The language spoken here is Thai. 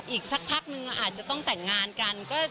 อีกสักพักนึงอาจจะต้องแต่งงานกัน